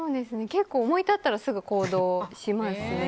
結構思い立ったらすぐ行動しますね。